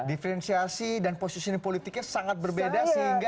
diferensiasi dan positioning politiknya sangat berbeda sehingga